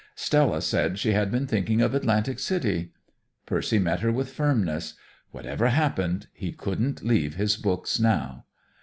Stella said she had been thinking of Atlantic City. Percy met her with firmness. Whatever happened, he couldn't leave his books now.